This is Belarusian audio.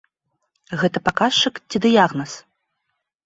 Гэта паказчык ці дыягназ?